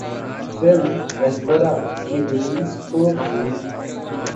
film ’Rahbara‘ کی release کو بھی